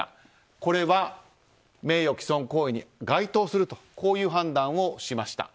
これは、名誉毀損行為に該当するという判断をしました。